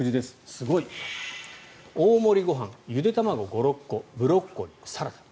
すごい。大盛ご飯、ゆで卵５６個ブロッコリー、サラダ。